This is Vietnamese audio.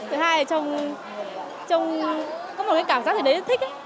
thứ hai là có một cái cảm giác rất là thích